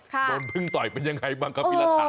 โดนพึ่งต่อยเป็นยังไงบ้างครับพี่รัฐา